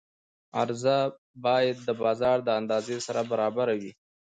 عرضه باید د بازار د اندازې سره برابره وي.